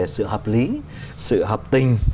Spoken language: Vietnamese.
sự hợp lý sự hợp tình